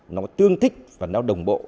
nó tương thích và nó đồng bộ